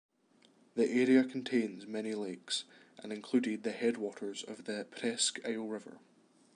The area contains many lakes, and included the headwaters of the Presque Isle River.